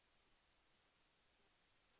โปรดติดตามต่อไป